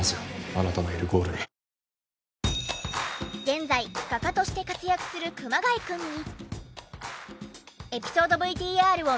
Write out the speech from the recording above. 現在画家として活躍する熊谷くんに。